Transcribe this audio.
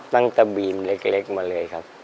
ตั้งแต่บีมเล็กมาเลยครับ